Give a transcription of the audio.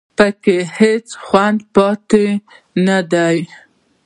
په کې هېڅ خوند پاتې نه دی